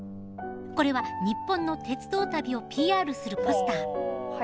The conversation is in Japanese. これは日本の鉄道旅をＰＲするポスター。